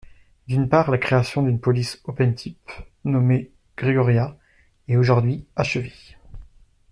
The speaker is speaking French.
D’une part, la création d’une police OpenType, nommée Gregoria et aujourd’hui achevée.